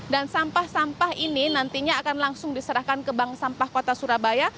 dan sampah sampah ini nantinya akan langsung diserahkan ke bank sampah kota surabaya